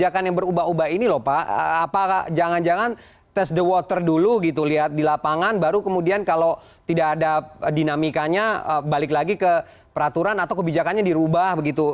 kebijakan yang berubah ubah ini lho pak apa jangan jangan test the water dulu gitu lihat di lapangan baru kemudian kalau tidak ada dinamikanya balik lagi ke peraturan atau kebijakannya dirubah begitu